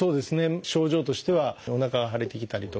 症状としてはおなかが腫れてきたりとか。